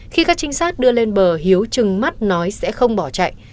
khi các trinh sát đưa lên bờ hiếu chừng mắt nói sẽ không bỏ chạy